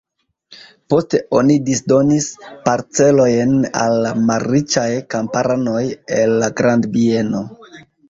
Poste oni disdonis parcelojn al la malriĉaj kamparanoj el la grandbieno.